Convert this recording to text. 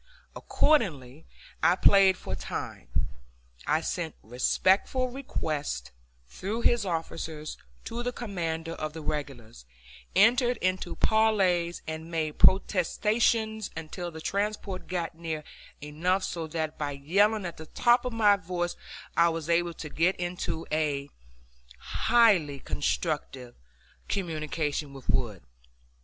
Accordingly I played for time. I sent respectful requests through his officers to the commander of the regulars, entered into parleys, and made protestations, until the transport got near enough so that by yelling at the top of my voice I was able to get into a highly constructive communication with Wood.